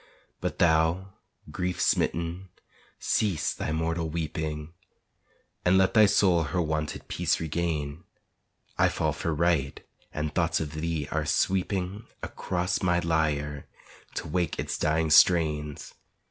But thou, grief smitten, cease thy mortal weeping And let thy soul her wonted peace regain; I fall for right, and thoughts of thee are sweeping Across my lyre to wake its dying strains.